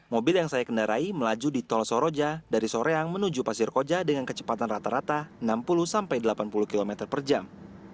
mobil yang saya kendarai melaju di tol soroja dari soreang menuju pasir koja dengan kecepatan rata rata enam puluh sampai delapan puluh km per jam